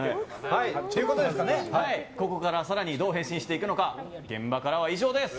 ここから更にどう変身していくのか現場からは以上です！